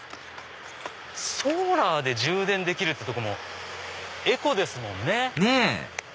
ソーラーで充電できるってとこもエコですもんね。ねぇ！